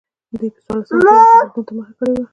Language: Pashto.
دوی په څوارلسمه پېړۍ کې بېلتون ته مخه کړې وه.